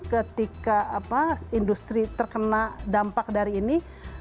ketika industri terkena dampak dari ini